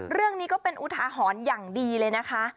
เรื่องนี้ก็เป็นอุทาหรณ์อย่างดีเลยนะคะ